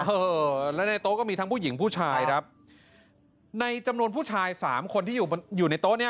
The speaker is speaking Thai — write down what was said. เออแล้วในโต๊ะก็มีทั้งผู้หญิงผู้ชายครับในจำนวนผู้ชายสามคนที่อยู่อยู่ในโต๊ะเนี้ย